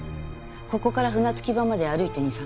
ここから船着場まで歩いて２３分。